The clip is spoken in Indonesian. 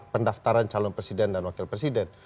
pendaftaran calon presiden dan wakil presiden